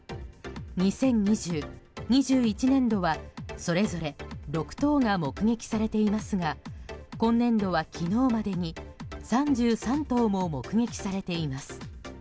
２０２０、２１年度はそれぞれ６頭が目撃されていますが今年度は昨日までに３３頭も目撃されています。